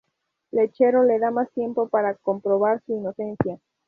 Lechero le da más tiempo para comprobar su inocencia.